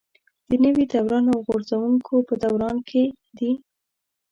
د نوي دوران او غورځنګونو په دوران کې دي.